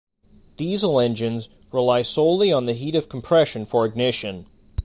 Diesel engines rely solely on the heat of compression for ignition.